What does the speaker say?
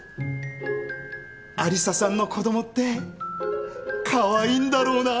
有沙さんの子供ってカワイイんだろうなぁ。